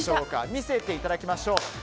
見せていただきましょう。